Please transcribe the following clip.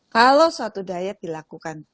kalau suatu diet dilakukan